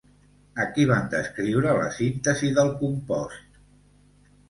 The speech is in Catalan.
Aquí van descriure la síntesi del compost.